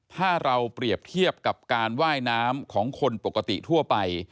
ถ้าเราเปรียบเทียบกับการว่ายน้ำของคนปกติทั่วไป